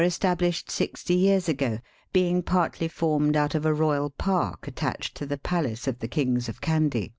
157 established sixty years ago, being partly formed out of a royal park attached to the palace of the kings of Kandy.